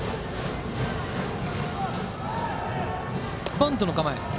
バントの構え。